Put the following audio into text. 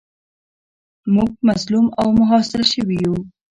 موږ مظلوم او محاصره شوي یو.